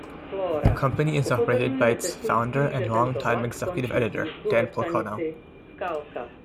The company is operated by its founder and longtime executive editor, Dan Pulcrano.